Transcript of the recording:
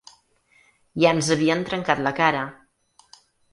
Ja ens havien trencat la cara.